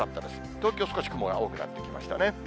東京少し雲が多くなってきましたね。